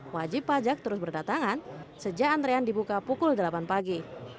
wajib pajak terus berdatangan sejak antrean dibuka pukul delapan pagi